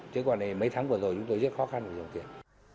chứ còn này mấy tháng vừa rồi chúng tôi rất khó khăn về đồng tiền